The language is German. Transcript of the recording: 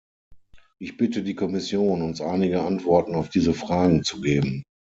Ich bitte die Kommission, uns einige Antworten auf diese Fragen zu geben.